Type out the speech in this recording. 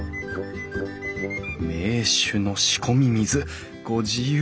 「銘酒の仕込み水御自由に」。